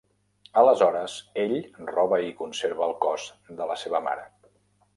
Aleshores ell roba i conserva el cos de la seva mare.